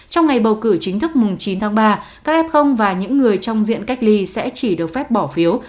trong ngày bầu cử chính thức mùng chín tháng ba các f và những người trong diện cách ly sẽ chỉ được phép bỏ phiếu